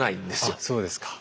あっそうですか。